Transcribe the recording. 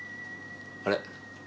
あれ？